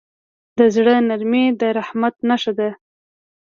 د زړه نرمي د رحمت نښه ده.